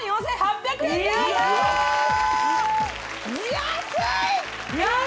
安い！